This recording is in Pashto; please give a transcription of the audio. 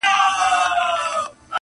همېشه به د مالِک ترشا روان ؤ,